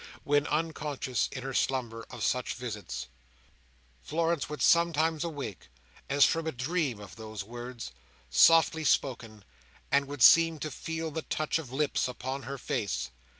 When unconscious, in her slumber, of such visits, Florence would sometimes awake, as from a dream of those words, softly spoken, and would seem to feel the touch of lips upon her face.